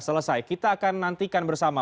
selesai kita akan nantikan bersama